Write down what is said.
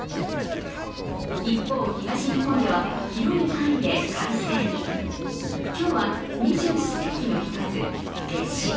一方、東日本では広い範囲で快晴に今日は二十四節気の一つ、夏至。